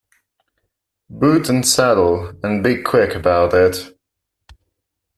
Boot and saddle, and be quick about it.